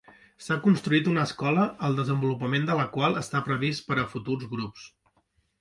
S'ha construït una escola el desenvolupament de la qual està previst per a futurs grups.